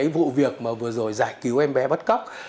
vụ việc mà vừa rồi giải cứu em bé bắt cóc